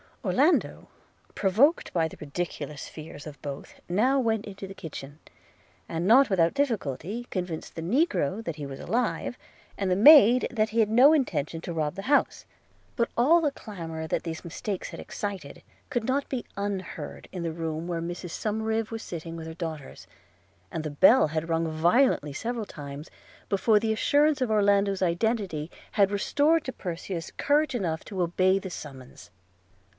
Orlando, provoked by the ridiculous fears of both, now went into the kitchen; and not without difficulty convinced the negro that he was alive; and the maid, that he had no intention to rob the house; but all the clamour that these mistakes had excited, could not be unheard in the room where Mrs Somerive was sitting with her daughters; and the bell had rung violently several times, before the assurance of Orlando's identity had restored to Perseus courage enough to obey the summons.